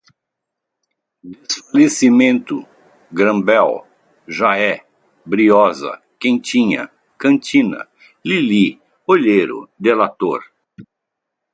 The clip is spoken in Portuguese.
desfalecimento, gran bell, já é, briosa, quentinha, cantina, lili, olheiro, delator